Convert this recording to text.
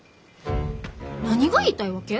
何が言いたいわけ？